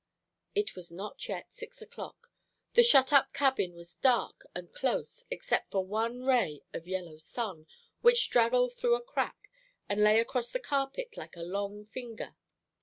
It was not yet six o'clock. The shut up cabin was dark and close, except for one ray of yellow sun, which straggled through a crack, and lay across the carpet like a long finger.